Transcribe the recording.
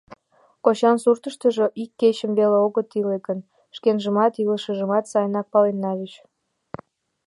Кочан суртыштыжо ик кечым веле огыт иле гын, шкенжымат, илышыжымат сайынак пален нальыч.